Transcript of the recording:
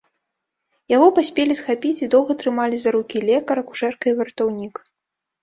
Яго паспелі схапіць і доўга трымалі за рукі лекар, акушэрка і вартаўнік.